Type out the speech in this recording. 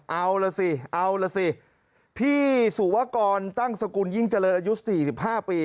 เอาล่ะสิเอาล่ะสิพี่สุวกรตั้งสกุลยิ่งเจริญอายุ๔๕ปี